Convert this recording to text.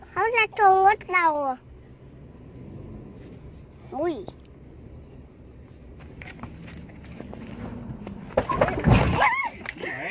เขาจะชนกับเรา